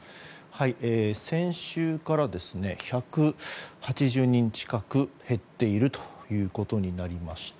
先週から１８０人近く減っているということになりました。